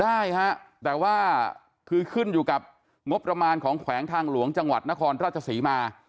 ได้ฮะแต่ว่าคือขึ้นอยู่กับงบประมาณของแขวงทางหลวงจังหวัดนครราชศรีมา